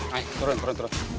ayo turun turun turun